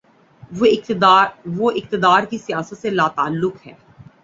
وہ اقتدار کی سیاست سے لاتعلق ہے۔